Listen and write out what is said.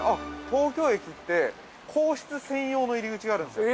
東京駅って、皇室専用の入り口があるんですよ。